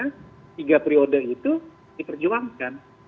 ketika periode itu diperjuangkan